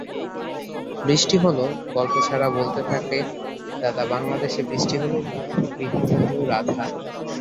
বৃষ্টি হলো গল্প ছড়া বলতে থাকে দাদা বাংলাদেশে বৃষ্টি হলো গৃহবধূ রাধা।